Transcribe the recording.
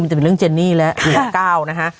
มันจะเป็นเรื่องเจนนี่และหัวเก้านะฮะ